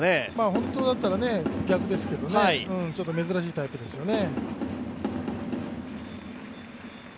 本当だったら逆ですけどね、珍しいタイプですよね。